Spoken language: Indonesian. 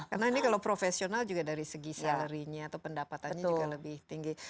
karena ini kalau profesional juga dari segi salary nya atau pendapatannya juga lebih tinggi